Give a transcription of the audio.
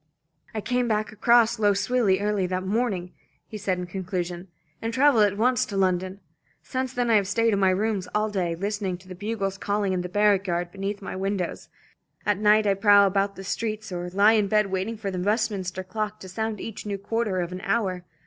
"I came back across Lough Swilly early that morning," he said in conclusion, "and travelled at once to London. Since then I have stayed in my rooms all day, listening to the bugles calling in the barrack yard beneath my windows. At night I prowl about the streets or lie in bed waiting for the Westminster clock to sound each new quarter of an hour.